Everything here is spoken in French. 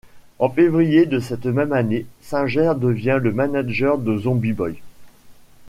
En février de cette même année, Singer devient le manager de Zombie Boy.